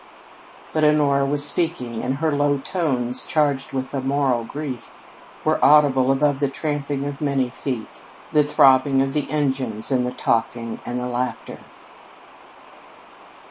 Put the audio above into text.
But Honora was speaking, and her low tones, charged with a mortal grief, were audible above the tramping of many feet, the throbbing of the engines, and the talking and the laughter.